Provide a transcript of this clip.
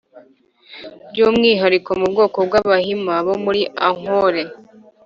by'umwihariko mu bwoko bw'abahima bo muri ankole